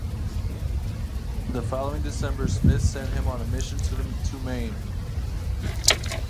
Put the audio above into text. The following December, Smith sent him on a mission to Maine.